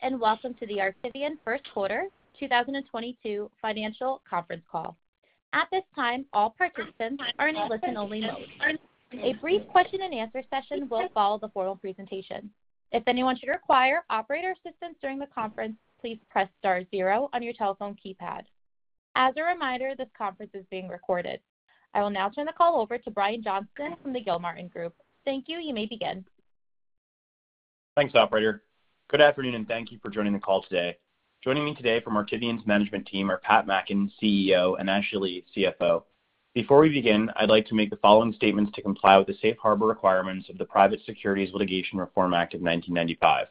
Greetings, and welcome to the Artivion first quarter 2022 financial conference call. At this time, all participants are in a listen-only mode. A brief question and answer session will follow the formal presentation. If anyone should require operator assistance during the conference, please press star zero on your telephone keypad. As a reminder, this conference is being recorded. I will now turn the call over to Brian Johnston from the Gilmartin Group. Thank you. You may begin. Thanks, operator. Good afternoon, and thank you for joining the call today. Joining me today from Artivion's management team are Pat Mackin, CEO, and Ashley, CFO. Before we begin, I'd like to make the following statements to comply with the safe harbor requirements of the Private Securities Litigation Reform Act of 1995.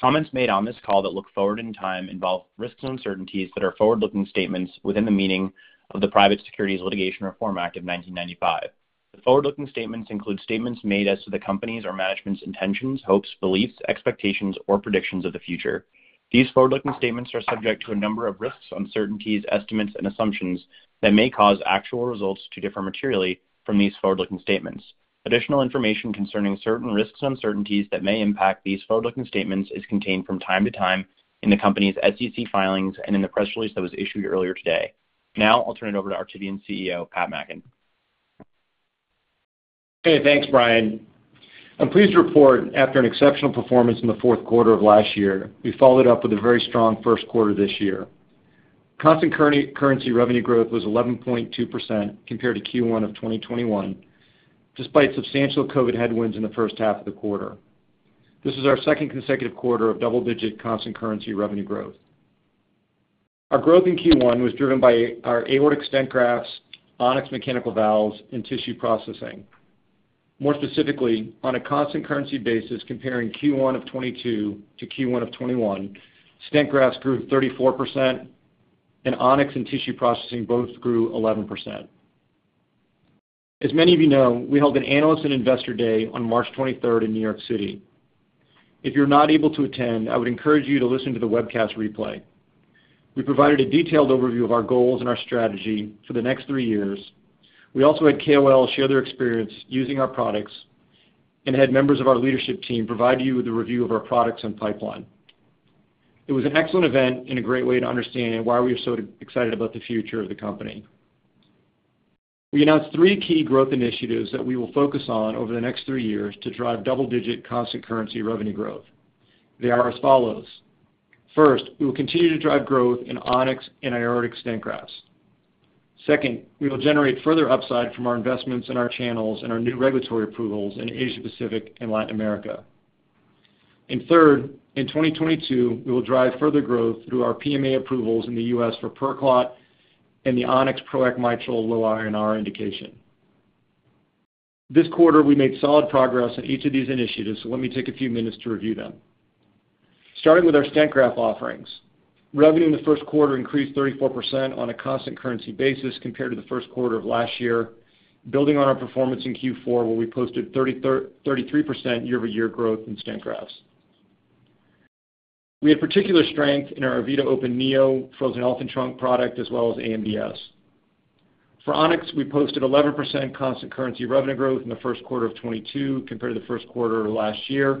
Comments made on this call that look forward in time involve risks and uncertainties that are forward-looking statements within the meaning of the Private Securities Litigation Reform Act of 1995. The forward-looking statements include statements made as to the company's or management's intentions, hopes, beliefs, expectations, or predictions of the future. These forward-looking statements are subject to a number of risks, uncertainties, estimates, and assumptions that may cause actual results to differ materially from these forward-looking statements. Additional information concerning certain risks and uncertainties that may impact these forward-looking statements is contained from time to time in the company's SEC filings and in the press release that was issued earlier today. Now, I'll turn it over to Artivion CEO, Pat Mackin. Okay, thanks, Brian. I'm pleased to report, after an exceptional performance in the fourth quarter of last year, we followed up with a very strong first quarter this year. Constant currency revenue growth was 11.2% compared to Q1 of 2021, despite substantial COVID headwinds in the first half of the quarter. This is our second consecutive quarter of double-digit constant currency revenue growth. Our growth in Q1 was driven by our aortic stent grafts, On-X mechanical valves, and tissue processing. More specifically, on a constant currency basis, comparing Q1 of 2022 to Q1 of 2021, stent grafts grew 34%, and On-X and tissue processing both grew 11%. As many of you know, we held an analyst and investor day on March 23rd in New York City. If you're not able to attend, I would encourage you to listen to the webcast replay. We provided a detailed overview of our goals and our strategy for the next three years. We also had KOLs share their experience using our products and had members of our leadership team provide you with a review of our products and pipeline. It was an excellent event and a great way to understand why we are so excited about the future of the company. We announced three key growth initiatives that we will focus on over the next three years to drive double-digit constant currency revenue growth. They are as follows. First, we will continue to drive growth in On-X and aortic stent grafts. Second, we will generate further upside from our investments in our channels and our new regulatory approvals in Asia Pacific and Latin America. Third, in 2022, we will drive further growth through our PMA approvals in the U.S. for PerClot and the On-X PROACT Mitral low INR indication. This quarter, we made solid progress on each of these initiatives, so let me take a few minutes to review them. Starting with our stent graft offerings. Revenue in the first quarter increased 34% on a constant currency basis compared to the first quarter of last year, building on our performance in Q4, where we posted 33% year-over-year growth in stent grafts. We had particular strength in our E-vita Open Neo frozen elephant trunk product, as well as AMDS. For On-X, we posted 11% constant currency revenue growth in the first quarter of 2022 compared to the first quarter of last year.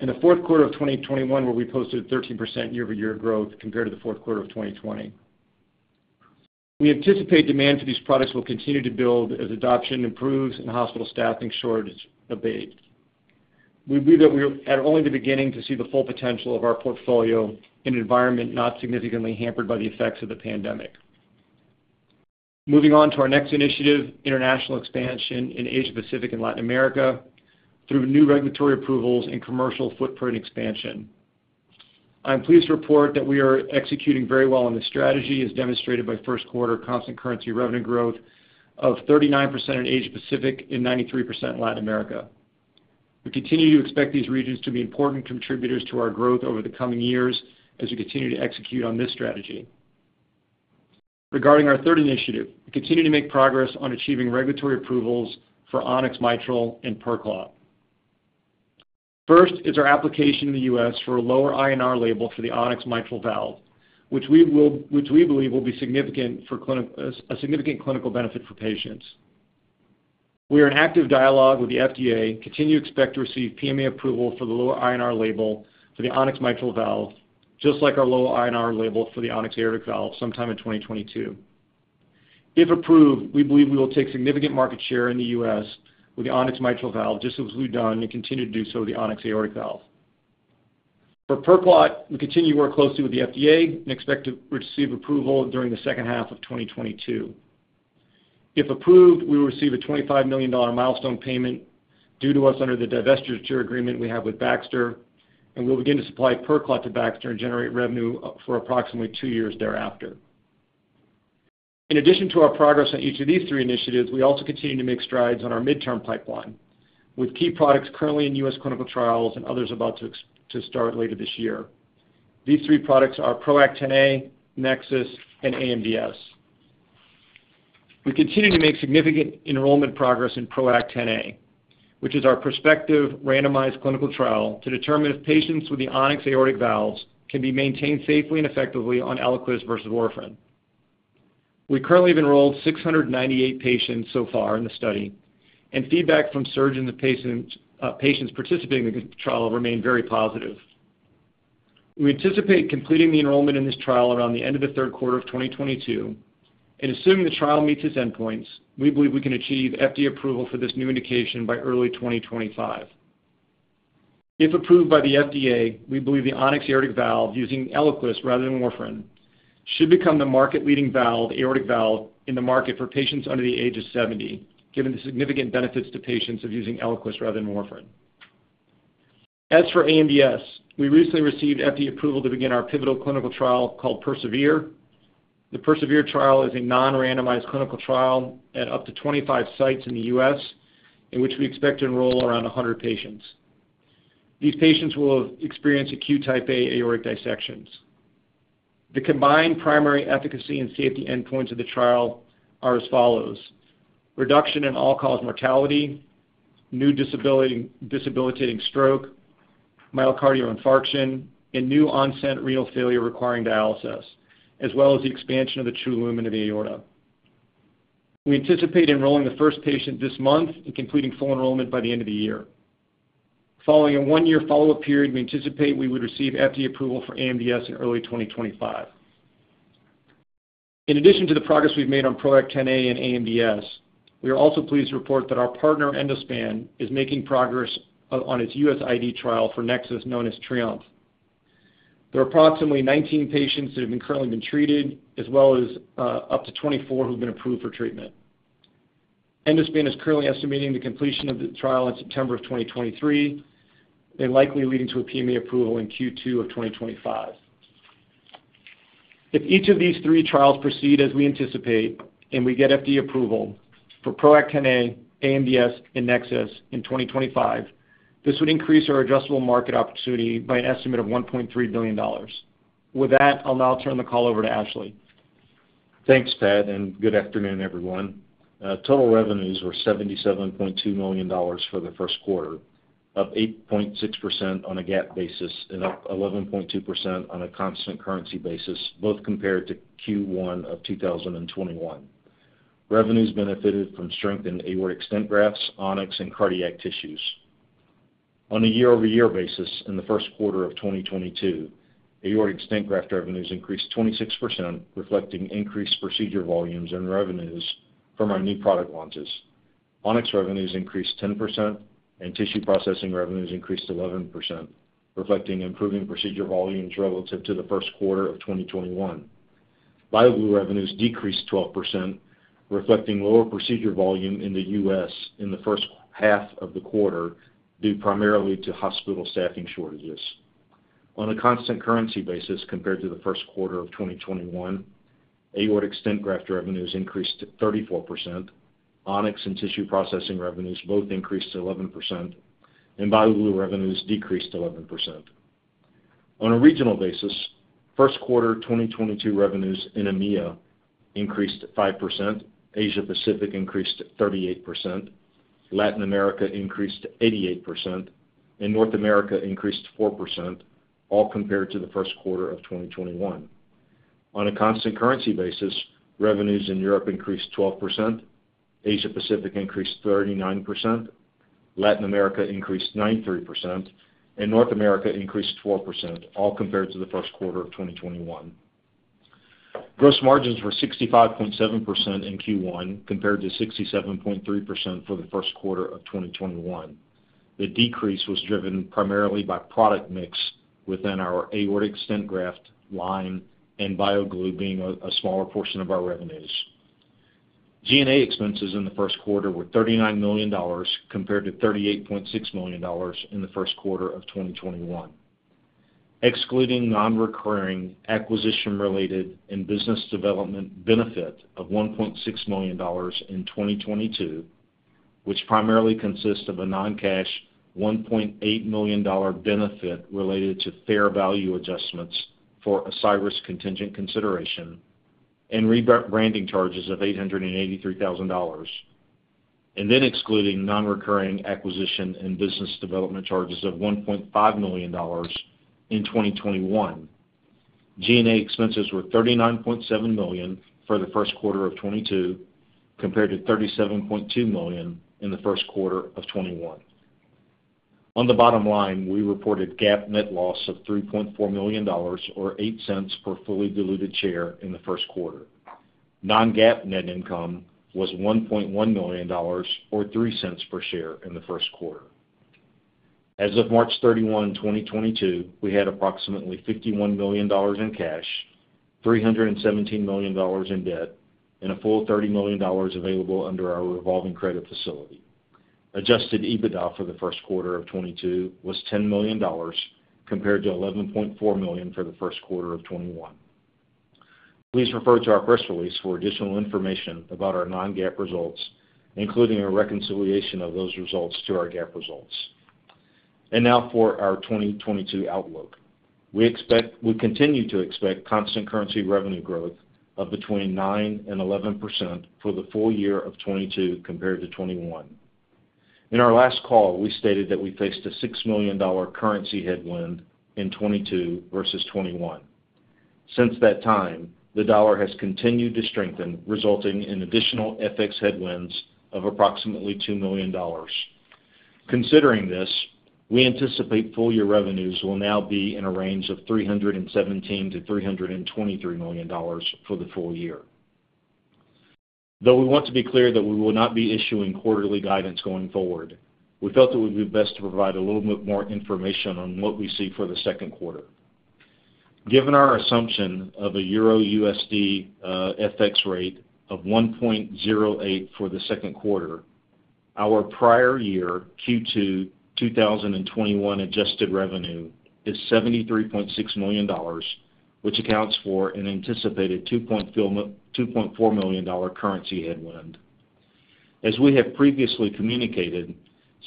In the fourth quarter of 2021, where we posted a 13% year-over-year growth compared to the fourth quarter of 2020. We anticipate demand for these products will continue to build as adoption improves and hospital staffing shortage abate. We believe that we are at only the beginning to see the full potential of our portfolio in an environment not significantly hampered by the effects of the pandemic. Moving on to our next initiative, international expansion in Asia Pacific and Latin America through new regulatory approvals and commercial footprint expansion. I'm pleased to report that we are executing very well on this strategy, as demonstrated by first quarter constant currency revenue growth of 39% in Asia Pacific and 93% Latin America. We continue to expect these regions to be important contributors to our growth over the coming years as we continue to execute on this strategy. Regarding our third initiative, we continue to make progress on achieving regulatory approvals for On-X mitral and PerClot. First is our application in the U.S. for a lower INR label for the On-X mitral valve, which we believe will be a significant clinical benefit for patients. We are in active dialogue with the FDA, continue to expect to receive PMA approval for the lower INR label for the On-X mitral valve, just like our low INR label for the On-X aortic valve sometime in 2022. If approved, we believe we will take significant market share in the U.S. with the On-X mitral valve, just as we've done and continue to do so with the On-X aortic valve. For PerClot, we continue to work closely with the FDA and expect to receive approval during the second half of 2022. If approved, we will receive a $25 million milestone payment due to us under the divestiture agreement we have with Baxter, and we'll begin to supply PerClot to Baxter and generate revenue for approximately two years thereafter. In addition to our progress on each of these three initiatives, we also continue to make strides on our midterm pipeline, with key products currently in U.S. clinical trials and others about to start later this year. These three products are PROACT Xa, NEXUS, and AMDS. We continue to make significant enrollment progress in PROACT Xa, which is our prospective randomized clinical trial to determine if patients with the On-X aortic valves can be maintained safely and effectively on Eliquis versus warfarin. We currently have enrolled 698 patients so far in the study, and feedback from surgeons and patients participating in the trial remain very positive. We anticipate completing the enrollment in this trial around the end of the third quarter of 2022, and assuming the trial meets its endpoints, we believe we can achieve FDA approval for this new indication by early 2025. If approved by the FDA, we believe the On-X aortic valve, using Eliquis rather than warfarin, should become the market-leading valve, aortic valve in the market for patients under the age of 70, given the significant benefits to patients of using Eliquis rather than warfarin. As for AMDS, we recently received FDA approval to begin our pivotal clinical trial called PERSEVERE. The PERSEVERE trial is a non-randomized clinical trial at up to 25 sites in the U.S., in which we expect to enroll around 100 patients. These patients will have experienced acute Type A aortic dissections. The combined primary efficacy and safety endpoints of the trial are as follows. Reduction in all-cause mortality, new disabling stroke, myocardial infarction, and new-onset renal failure requiring dialysis, as well as the expansion of the true lumen of the aorta. We anticipate enrolling the first patient this month and completing full enrollment by the end of the year. Following a one-year follow-up period, we anticipate we would receive FDA approval for AMDS in early 2025. In addition to the progress we've made on PROACT Aortic and AMDS, we are also pleased to report that our partner, Endospan, is making progress on its US IDE trial for NEXUS, known as TRIOMPHE. There are approximately 19 patients that have been currently treated as well as up to 24 who've been approved for treatment. Endospan is currently estimating the completion of the trial in September 2023 and likely leading to a PMA approval in Q2 of 2025. If each of these three trials proceed as we anticipate and we get FDA approval for PROACT Aortic, AMDS, and NEXUS in 2025, this would increase our addressable market opportunity by an estimate of $1.3 billion. With that, I'll now turn the call over to Ashley. Thanks, Pat, and good afternoon, everyone. Total revenues were $77.2 million for the first quarter, up 8.6% on a GAAP basis and up 11.2% on a constant currency basis, both compared to Q1 of 2021. Revenues benefited from strength in aortic stent grafts, On-X, and cardiac tissues. On a year-over-year basis in the first quarter of 2022, aortic stent graft revenues increased 26%, reflecting increased procedure volumes and revenues from our new product launches. On-X revenues increased 10%, and tissue processing revenues increased 11%, reflecting improving procedure volumes relative to the first quarter of 2021. BioGlue revenues decreased 12%, reflecting lower procedure volume in the U.S. in the first half of the quarter due primarily to hospital staffing shortages. On a constant currency basis compared to the first quarter of 2021, aortic stent graft revenues increased 34%, On-X and tissue processing revenues both increased 11%, and BioGlue revenues decreased 11%. On a regional basis, first quarter 2022 revenues in EMEA increased 5%, Asia Pacific increased 38%, Latin America increased 88%, and North America increased 4%, all compared to the first quarter of 2021. On a constant currency basis, revenues in Europe increased 12%, Asia Pacific increased 39%, Latin America increased 93%, and North America increased 4%, all compared to the first quarter of 2021. Gross margins were 65.7% in Q1 compared to 67.3% for the first quarter of 2021. The decrease was driven primarily by product mix within our aortic stent graft line and BioGlue being a smaller portion of our revenues. G&A expenses in the first quarter were $39 million compared to $38.6 million in the first quarter of 2021. Excluding non-recurring acquisition-related and business development benefit of $1.6 million in 2022, which primarily consists of a non-cash $1.8 million benefit related to fair value adjustments for Ascyrus contingent consideration and rebranding charges of $883,000. Excluding non-recurring acquisition and business development charges of $1.5 million in 2021. G&A expenses were $39.7 million for the first quarter of 2022 compared to $37.2 million in the first quarter of 2021. On the bottom line, we reported GAAP net loss of $3.4 million or $0.08 Per fully diluted share in the first quarter. Non-GAAP net income was $1.1 million or $0.03 Per share in the first quarter. As of March 31, 2022, we had approximately $51 million in cash, $317 million in debt, and a full $30 million available under our revolving credit facility. Adjusted EBITDA for the first quarter of 2022 was $10 million compared to $11.4 million for the first quarter of 2021. Please refer to our press release for additional information about our non-GAAP results, including a reconciliation of those results to our GAAP results. Now for our 2022 outlook. We continue to expect constant currency revenue growth of between 9% and 11% for the full year of 2022 compared to 2021. In our last call, we stated that we faced a $6 million currency headwind in 2022 versus 2021. Since that time, the dollar has continued to strengthen, resulting in additional FX headwinds of approximately $2 million. Considering this, we anticipate full year revenues will now be in a range of $317 million-$323 million for the full year. Though we want to be clear that we will not be issuing quarterly guidance going forward, we felt it would be best to provide a little bit more information on what we see for the second quarter. Given our assumption of a Euro USD FX rate of 1.08 for the second quarter, our prior year Q2 2021 adjusted revenue is $73.6 million, which accounts for an anticipated $2.4 million currency headwind.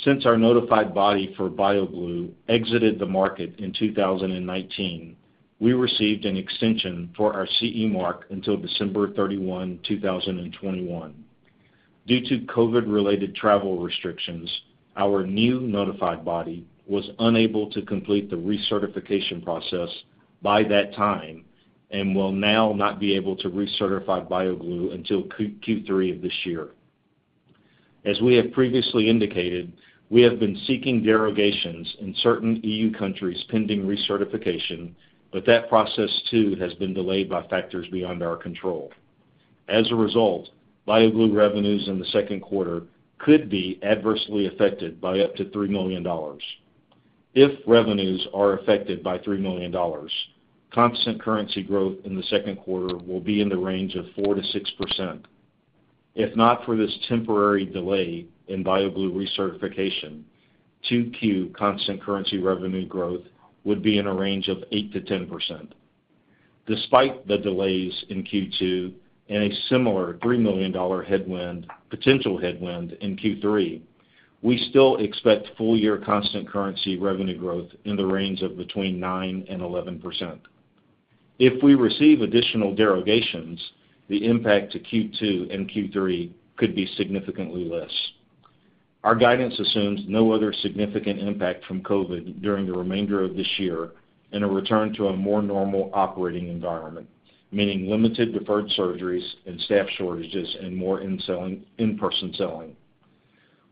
Since our notified body for BioGlue exited the market in 2019, we received an extension for our CE mark until December 31, 2021. Due to COVID-related travel restrictions, our new notified body was unable to complete the recertification process by that time and will now not be able to recertify BioGlue until Q3 of this year. We have been seeking derogations in certain EU countries pending recertification, but that process too has been delayed by factors beyond our control. As a result, BioGlue revenues in the second quarter could be adversely affected by up to $3 million. If revenues are affected by $3 million, constant currency growth in the second quarter will be in the range of 4%-6%. If not for this temporary delay in BioGlue recertification, 2Q constant currency revenue growth would be in a range of 8%-10%. Despite the delays in Q2 and a similar $3 million headwind, potential headwind in Q3, we still expect full year constant currency revenue growth in the range of between 9% and 11%. If we receive additional derogations, the impact to Q2 and Q3 could be significantly less. Our guidance assumes no other significant impact from COVID during the remainder of this year and a return to a more normal operating environment, meaning limited deferred surgeries and staff shortages and more in-person selling.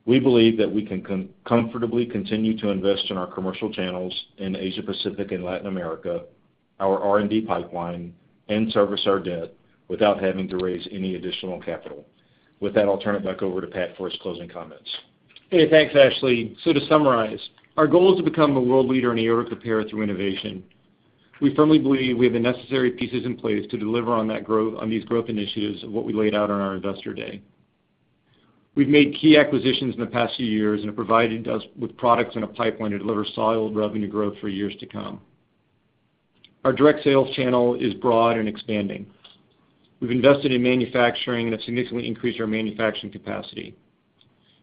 We believe that we can comfortably continue to invest in our commercial channels in Asia-Pacific and Latin America, our R&D pipeline, and service our debt without having to raise any additional capital. With that, I'll turn it back over to Pat for his closing comments. Hey, thanks, Ashley. To summarize, our goal is to become a world leader in aortic repair through innovation. We firmly believe we have the necessary pieces in place to deliver on these growth initiatives of what we laid out on our investor day. We've made key acquisitions in the past few years and have provided us with products and a pipeline to deliver solid revenue growth for years to come. Our direct sales channel is broad and expanding. We've invested in manufacturing and have significantly increased our manufacturing capacity.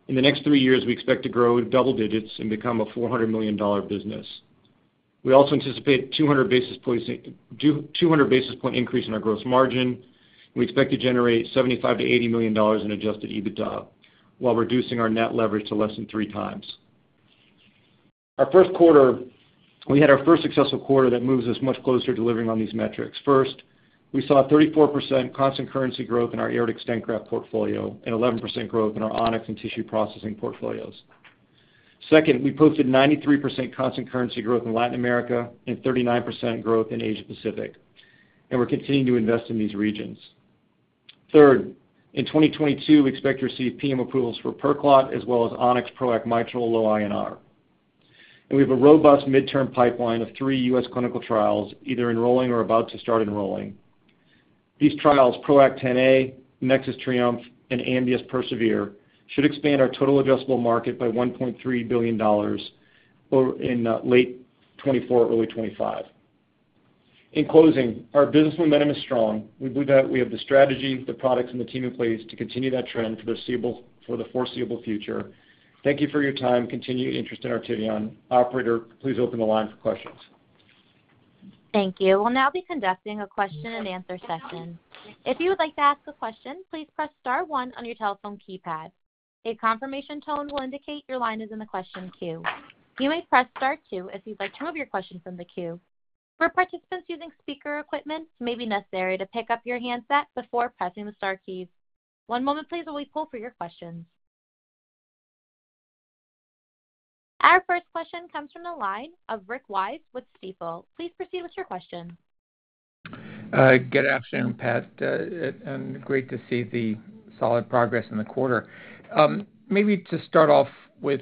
In the next three years, we expect to grow in double digits and become a $400 million business. We also anticipate 200 basis points increase in our gross margin. We expect to generate $75 million-$80 million in Adjusted EBITDA while reducing our net leverage to less than 3x. Our first quarter, we had our first successful quarter that moves us much closer to delivering on these metrics. First, we saw 34% constant currency growth in our aortic stent graft portfolio and 11% growth in our On-X and tissue processing portfolios. Second, we posted 93% constant currency growth in Latin America and 39% growth in Asia Pacific, and we're continuing to invest in these regions. Third, in 2022, we expect to receive PMA approvals for PerClot as well as On-X PROACT Mitral Low INR. We have a robust midterm pipeline of three U.S. clinical trials either enrolling or about to start enrolling. These trials, PROACT Aortic, NEXUS TRIOMPHE, and AMDS PERSEVERE, should expand our total addressable market by $1.3 billion or in late 2024, early 2025. In closing, our business momentum is strong. We believe that we have the strategy, the products, and the team in place to continue that trend for the foreseeable future. Thank you for your time and continued interest in Artivion. Operator, please open the line for questions. Thank you. We'll now be conducting a question and answer session. If you would like to ask a question, please press star one on your telephone keypad. A confirmation tone will indicate your line is in the question queue. You may press Star two if you'd like to remove your question from the queue. For participants using speaker equipment, it may be necessary to pick up your handset before pressing the star keys. One moment please while we poll for your questions. Our first question comes from the line of Rick Wise with Stifel. Please proceed with your question. Good afternoon, Pat. Great to see the solid progress in the quarter. Maybe to start off with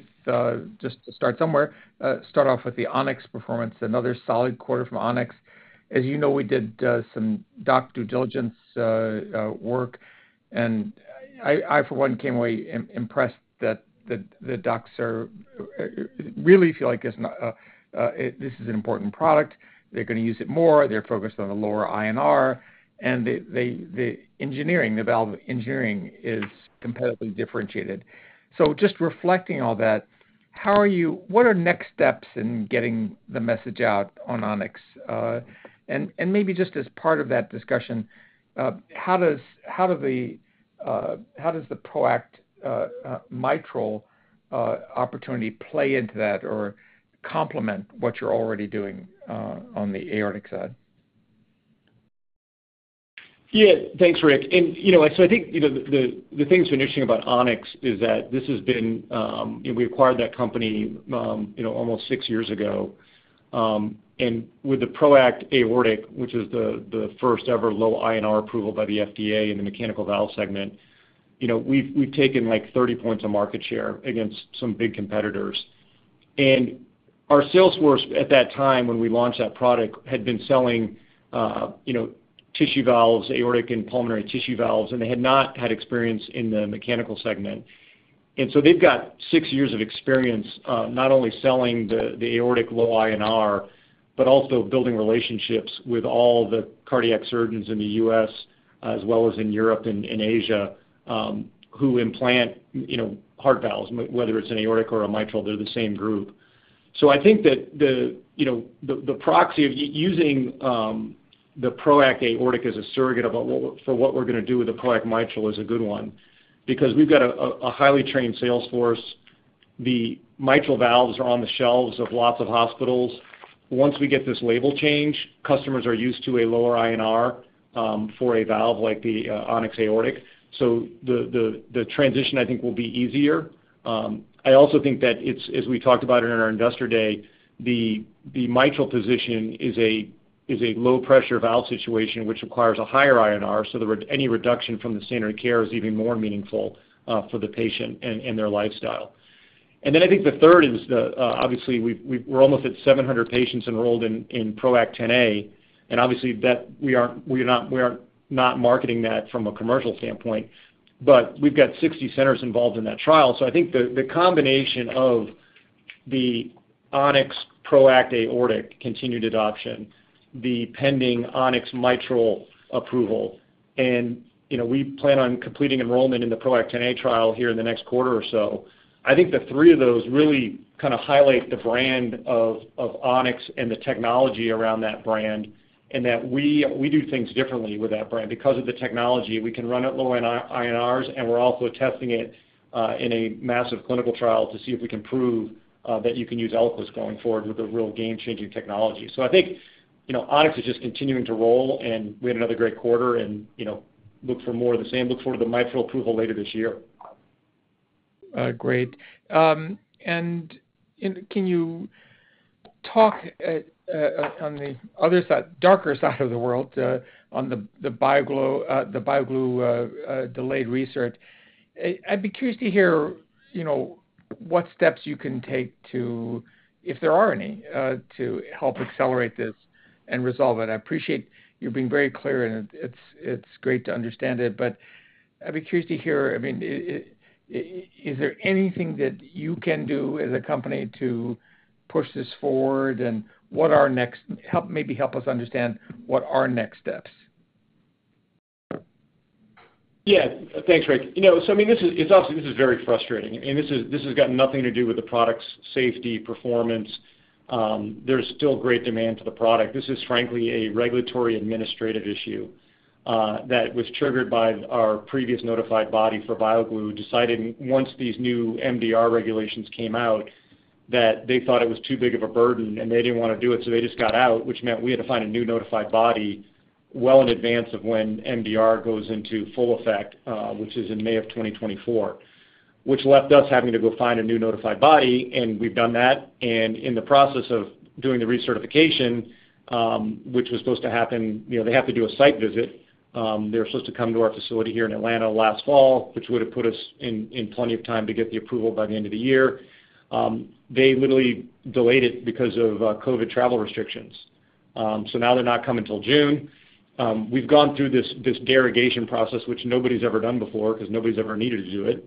the On-X performance, another solid quarter from On-X. As you know, we did some doc due diligence work, and I, for one, came away impressed that the docs really feel like this is an important product. They're gonna use it more. They're focused on a lower INR, and the engineering, the valve engineering is competitively differentiated. Just reflecting all that. What are next steps in getting the message out on On-X? And maybe just as part of that discussion, how does the PROACT mitral opportunity play into that or complement what you're already doing on the aortic side? Yeah. Thanks, Rick. You know, I think, you know, the thing that's been interesting about On-X is that this has been. We acquired that company, you know, almost six years ago. With the PROACT Aortic, which is the first ever low INR approval by the FDA in the mechanical valve segment, you know, we've taken, like, 30 points of market share against some big competitors. Our sales force at that time when we launched that product had been selling, you know, tissue valves, aortic and pulmonary tissue valves, and they had not had experience in the mechanical segment. They've got six years of experience, not only selling the aortic low INR, but also building relationships with all the cardiac surgeons in the U.S. As well as in Europe and Asia, who implant heart valves, whether it's an aortic or a mitral. They're the same group. I think that the proxy of using the PROACT Aortic as a surrogate for what we're gonna do with the PROACT Mitral is a good one because we've got a highly trained sales force. The mitral valves are on the shelves of lots of hospitals. Once we get this label change, customers are used to a lower INR for a valve like the On-X Aortic. The transition, I think, will be easier. I also think that it's as we talked about it in our Investor Day, the mitral position is a low pressure valve situation, which requires a higher INR, so any reduction from the standard of care is even more meaningful for the patient and their lifestyle. Then I think the third is the obviously, we've we're almost at 700 patients enrolled in PROACT Xa, and obviously that we are not marketing that from a commercial standpoint. We've got 60 centers involved in that trial. I think the combination of the On-X PROACT Aortic continued adoption, the pending On-X Mitral approval, and, you know, we plan on completing enrollment in the PROACT Xa trial here in the next quarter or so. I think the three of those really kind of highlight the brand of On-X and the technology around that brand, and that we do things differently with that brand. Because of the technology, we can run at low INRs, and we're also testing it in a massive clinical trial to see if we can prove that you can use Eliquis going forward with a real game-changing technology. I think, you know, On-X is just continuing to roll, and we had another great quarter and, you know, look for more of the same. Look for the mitral approval later this year. Great. Can you talk on the other side, darker side of the world, on the BioGlue delayed research? I'd be curious to hear, you know, what steps you can take, if there are any, to help accelerate this and resolve it. I appreciate you being very clear, and it's great to understand it. I'd be curious to hear, I mean, is there anything that you can do as a company to push this forward, and what are next steps? Maybe help us understand what are next steps? Yeah. Thanks, Rick. You know, so, I mean, it's obviously very frustrating, and this has got nothing to do with the product's safety, performance. There's still great demand for the product. This is frankly a regulatory administrative issue that was triggered by our previous notified body for BioGlue, who decided once these new MDR regulations came out, that they thought it was too big of a burden, and they didn't wanna do it, so they just got out, which meant we had to find a new notified body well in advance of when MDR goes into full effect, which is in May of 2024. Which left us having to go find a new notified body, and we've done that. In the process of doing the recertification, which was supposed to happen, you know, they have to do a site visit. They were supposed to come to our facility here in Atlanta last fall, which would have put us in plenty of time to get the approval by the end of the year. They literally delayed it because of COVID travel restrictions. Now they're not coming till June. We've gone through this derogation process, which nobody's ever done before 'cause nobody's ever needed to do it.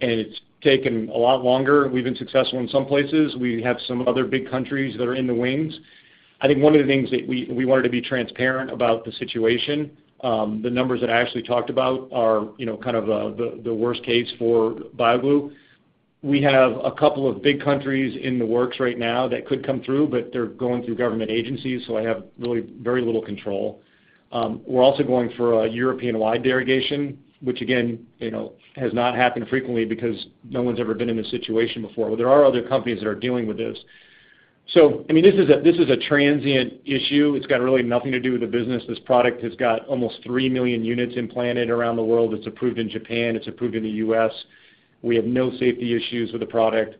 It's taken a lot longer. We've been successful in some places. We have some other big countries that are in the wings. I think one of the things that we wanted to be transparent about the situation. The numbers that Ashley talked about are, you know, kind of, the worst case for BioGlue. We have a couple of big countries in the works right now that could come through, but they're going through government agencies, so I have really very little control. We're also going for a European-wide derogation, which again, you know, has not happened frequently because no one's ever been in this situation before. But there are other companies that are dealing with this. So I mean, this is a transient issue. It's got really nothing to do with the business. This product has got almost 3 million units implanted around the world. It's approved in Japan. It's approved in the U.S. We have no safety issues with the product.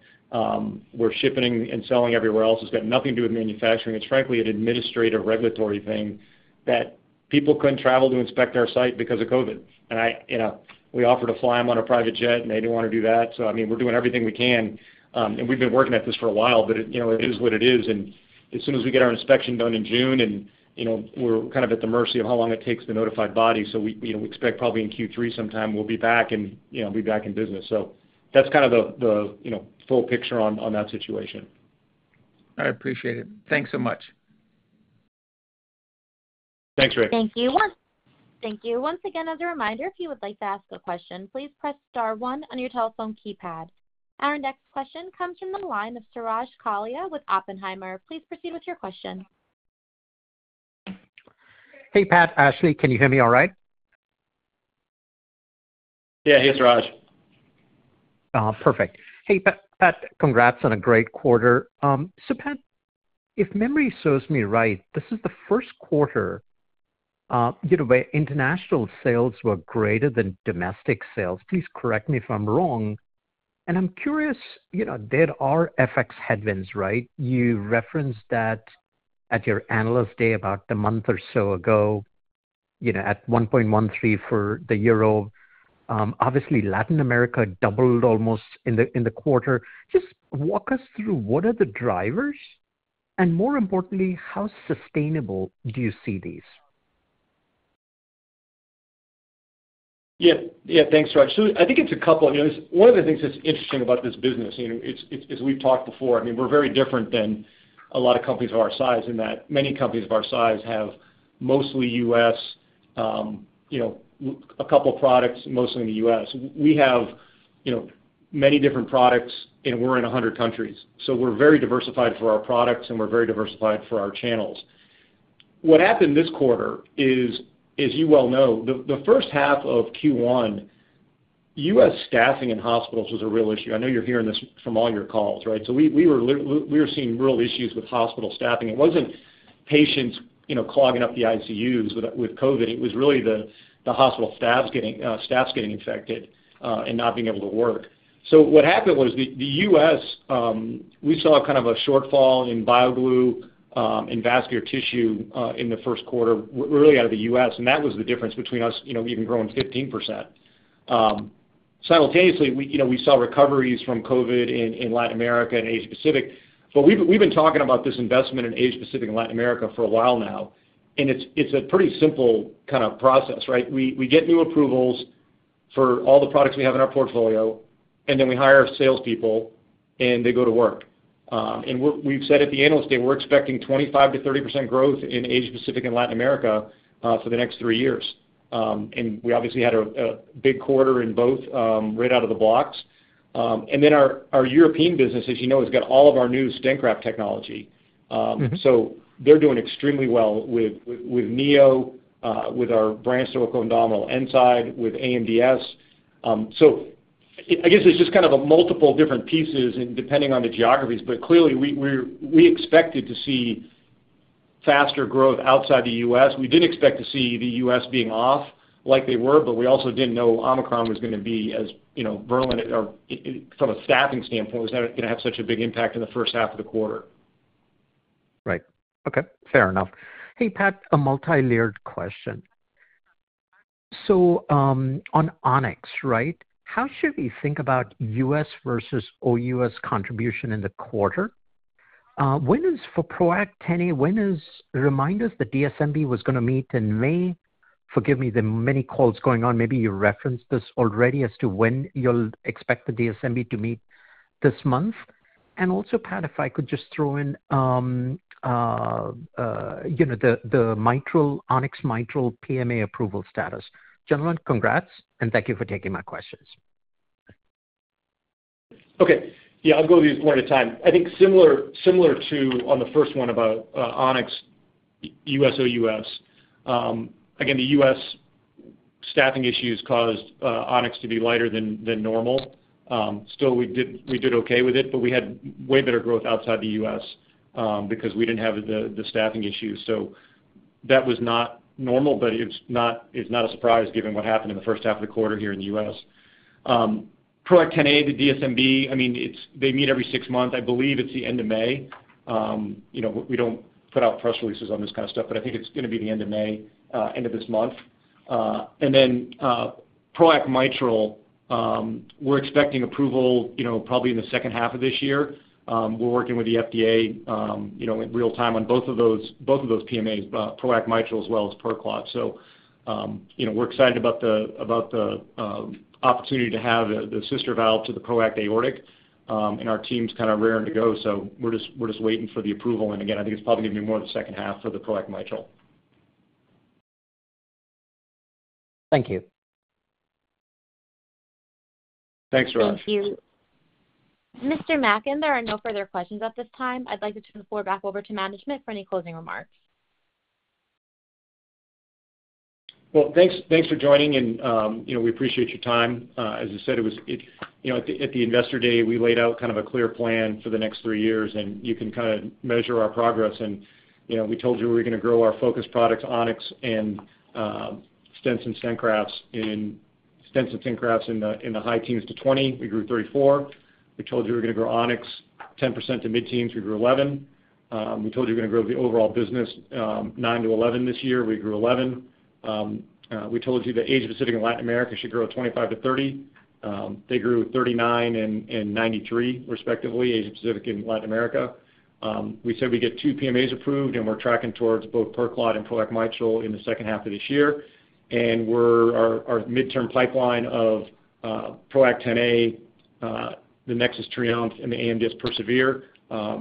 We're shipping and selling everywhere else. It's got nothing to do with manufacturing. It's frankly an administrative regulatory thing that people couldn't travel to inspect our site because of COVID. I, you know, we offered to fly them on a private jet, and they didn't wanna do that. I mean, we're doing everything we can. We've been working at this for a while, but you know, it is what it is. As soon as we get our inspection done in June and, you know, we're kind of at the mercy of how long it takes the notified body. We, you know, we expect probably in Q3 sometime we'll be back and, you know, be back in business. That's kind of the you know, full picture on that situation. I appreciate it. Thanks so much. Thanks, Rick. Thank you. Once again, as a reminder, if you would like to ask a question, please press star one on your telephone keypad. Our next question comes from the line of Suraj Kalia with Oppenheimer. Please proceed with your question. Hey, Pat, Ashley, can you hear me all right? Yeah. Hey, Suraj. Perfect. Hey, Pat, congrats on a great quarter. Pat, if memory serves me right, this is the first quarter, you know, where international sales were greater than domestic sales. Please correct me if I'm wrong, and I'm curious, you know, there are FX headwinds, right? You referenced that at your Analyst Day about a month or so ago, you know, at 1.13 for the euro. Obviously Latin America almost doubled in the quarter. Just walk us through what are the drivers and more importantly, how sustainable do you see these? Yeah. Yeah. Thanks, Suraj. I think it's a couple. You know, one of the things that's interesting about this business, you know, it's as we've talked before, I mean, we're very different than a lot of companies of our size in that many companies of our size have mostly U.S., you know, a couple of products mostly in the U.S. We have, you know, many different products, and we're in 100 countries. We're very diversified for our products, and we're very diversified for our channels. What happened this quarter is, as you well know, the first half of Q1, U.S. staffing in hospitals was a real issue. I know you're hearing this from all your calls, right? We were seeing real issues with hospital staffing. It wasn't patients, you know, clogging up the ICUs with COVID. It was really the hospital staffs getting infected and not being able to work. What happened was the U.S., we saw kind of a shortfall in BioGlue, in vascular tissue, in the first quarter really out of the U.S., and that was the difference between us, you know, even growing 15%. Simultaneously, we, you know, saw recoveries from COVID in Latin America and Asia Pacific. We've been talking about this investment in Asia Pacific and Latin America for a while now, and it's a pretty simple kind of process, right? We get new approvals for all the products we have in our portfolio, and then we hire salespeople, and they go to work. We've said at the Analyst Day, we're expecting 25%-30% growth in Asia Pacific and Latin America for the next three years. We obviously had a big quarter in both right out of the blocks. Then our European business, as you know, has got all of our new stent graft technology. Mm-hmm. They're doing extremely well with Neo, with our E-nside TAAA, with AMDS. I guess it's just kind of a multiple different pieces and depending on the geographies, but clearly we expected to see faster growth outside the U.S. We didn't expect to see the U.S. being off like they were, but we also didn't know Omicron was gonna be, as you know, virulent or from a staffing standpoint, was gonna have such a big impact in the first half of the quarter. Right. Okay. Fair enough. Hey, Pat, a multi-layered question. On On-X, right, how should we think about U.S. versus OUS contribution in the quarter? Remind us, the DSMB was gonna meet in May. Forgive me, there are many calls going on. Maybe you referenced this already as to when you'll expect the DSMB to meet this month. Also, Pat, if I could just throw in, the On-X mitral PMA approval status. Gentlemen, congrats, and thank you for taking my questions. Okay. Yeah, I'll go through these one at a time. I think similar to the first one about On-X, U.S., OUS. Again, the U.S. staffing issues caused On-X to be lighter than normal. Still we did okay with it, but we had way better growth outside the U.S., because we didn't have the staffing issues. That was not normal, but it's not a surprise given what happened in the first half of the quarter here in the U.S. PROACT Xa, the DSMB, I mean, it's they meet every six months. I believe it's the end of May. You know, we don't put out press releases on this kind of stuff, but I think it's gonna be the end of May, end of this month. PROACT Mitral, we're expecting approval, you know, probably in the second half of this year. We're working with the FDA, you know, in real time on both of those PMAs, PROACT Mitral as well as PerClot. We're excited about the opportunity to have the sister valve to the PROACT Aortic, and our team's kind of raring to go. We're just waiting for the approval. Again, I think it's probably gonna be more in the second half for the PROACT Mitral. Thank you. Thanks, Suraj. Thank you. Mr. Mackin, there are no further questions at this time. I'd like to turn the floor back over to management for any closing remarks. Well, thanks for joining, and you know, we appreciate your time. As I said, you know, at the Investor Day, we laid out kind of a clear plan for the next three years, and you can kinda measure our progress. You know, we told you we were gonna grow our focused products, On-X and stents and stent grafts in the high teens to 20. We grew 34%. We told you we were gonna grow On-X 10% to mid-teens. We grew 11%. We told you we're gonna grow the overall business 9%-11% this year. We grew 11%. We told you that Asia-Pacific and Latin America should grow 25%-30%. They grew 39% and 93%, respectively, Asia-Pacific and Latin America. We said we'd get two PMAs approved, and we're tracking towards both PerClot and PROACT Mitral in the second half of this year. Our midterm pipeline of PROACT Xa, the NEXUS TRIOMPHE and the AMDS PERSEVERE,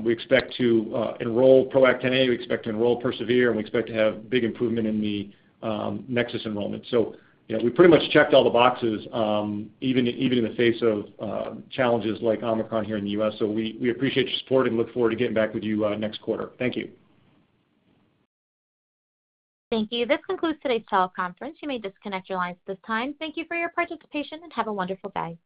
we expect to enroll PROACT Xa, we expect to enroll PERSEVERE, and we expect to have big improvement in the NEXUS enrollment. You know, we pretty much checked all the boxes, even in the face of challenges like Omicron here in the U.S. We appreciate your support and look forward to getting back with you next quarter. Thank you. Thank you. This concludes today's teleconference. You may disconnect your lines at this time. Thank you for your participation, and have a wonderful day.